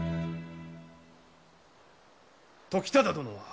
時忠殿は？